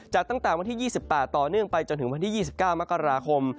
ตั้งแต่วันที่๒๘ต่อเนื่องไปจนถึงวันที่๒๙มกราคม